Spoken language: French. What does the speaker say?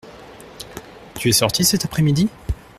Tu es sorti cet après-midi ?